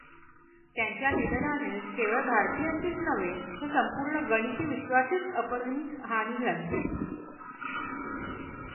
त्यांच्या निधनाने केवळ भारतीयांचीच नव्हे तर संपूर्ण गणिती विश्वाचीच अपरिमित हानी झाली.